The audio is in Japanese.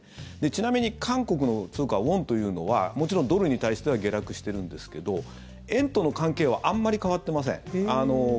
ちなみに韓国の通貨、ウォンというのはもちろんドルに対しては下落してるんですけど円との関係はあまり変わってません。